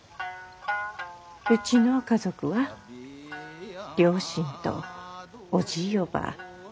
うちの家族は両親とおじぃおばぁ